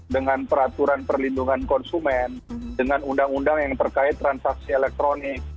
dengan peraturan perlindungan konsumen dengan undang undang yang terkait transaksi elektronik